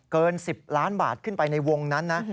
เกิน๑๐ล้านบาทขึ้นไปในวงนั้นนะ